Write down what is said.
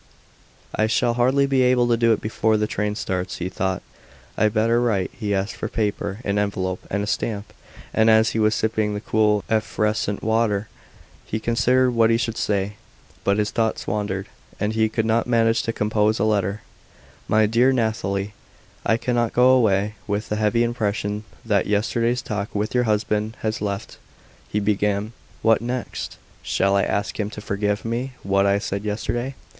"I shall hardly be able to do it before the train starts," he thought; "I'd better write." He asked for paper, an envelope, and a stamp, and as he was sipping the cool, effervescent water he considered what he should say. But his thoughts wandered, and he could not manage to compose a letter. "My dear Nathalie, I cannot go away with the heavy impression that yesterday's talk with your husband has left," he began. "What next? Shall I ask him to forgive me what I said yesterday?